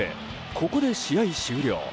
ここで試合終了。